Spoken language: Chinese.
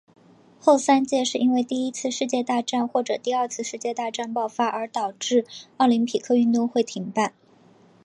后三届是因为第一次世界大战或者第二次世界大战爆发而导致奥林匹克运动会停办。